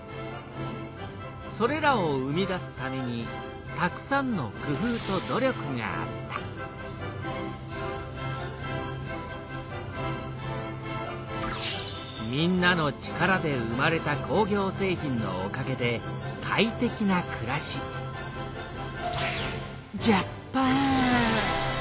それらを生み出すためにたくさんのくふうと努力があったみんなの力で生まれた工業製品のおかげでかいてきなくらしジャパン！